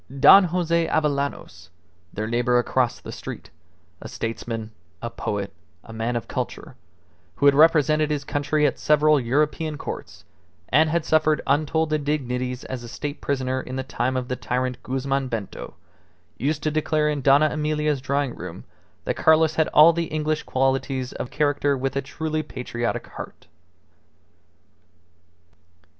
Don Jose Avellanos, their neighbour across the street, a statesman, a poet, a man of culture, who had represented his country at several European Courts (and had suffered untold indignities as a state prisoner in the time of the tyrant Guzman Bento), used to declare in Dona Emilia's drawing room that Carlos had all the English qualities of character with a truly patriotic heart.